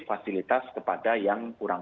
fasilitas kepada yang kurang